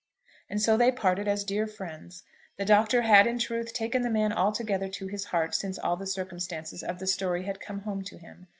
And so they parted as dear friends part. The Doctor had, in truth, taken the man altogether to his heart since all the circumstances of the story had come home to him.